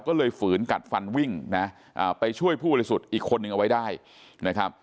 ก็เลยฝืนกัดฟันวิ่งนะไปช่วยผู้บริสุทธิ์อีกคนนึงเอาไว้ได้นะครับ